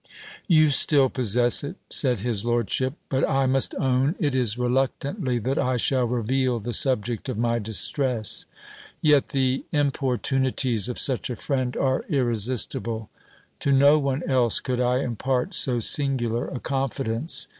You still possess it, said his lordship : but I must own, it is reluctantly that I shall reveal the subject of my distress : yet the importunities of such a friend are irresistible. To no one else could I impart so singular a confidence.